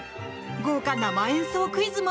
豪華生演奏クイズも。